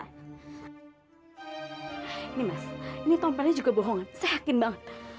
ini mas ini tompelnya juga bohongan saya yakin banget